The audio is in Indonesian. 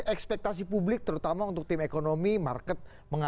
ekspektasi publik terutama untuk tim ekonomi market